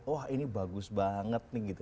wah ini bagus banget nih gitu